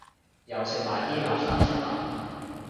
又食埋啲垃圾食物